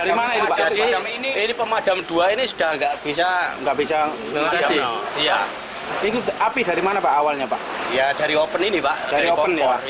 dari oven ini pak